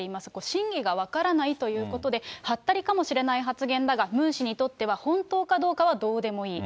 真偽が分からないということで、はったりかもしれない発言だが、ムン氏にとっては本当かどうかはどうでもいい。